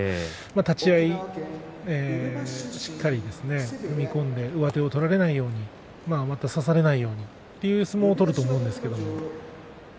立ち合い、しっかり踏み込んで上手を取られないようにまた差されないようにそういう相撲を取ると思うんですが。